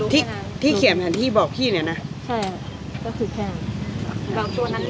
ที่ที่เขียนทางที่บอกพี่เนี้ยน่ะใช่แล้วก็คือแค่นั้นแล้วตัวนั้นน้ำน้ำมันแหลม